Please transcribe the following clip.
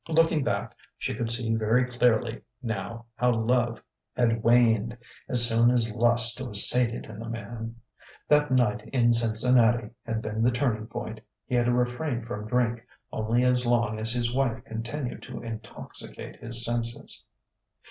Looking back she could see very clearly, now, how love had waned as soon as lust was sated in the man. That night in Cincinnati had been the turning point: he had refrained from drink only as long as his wife continued to intoxicate his senses.